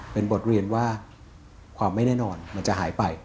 เป็นบทเรียนว่าความไม่แน่นอนมันจะหายไป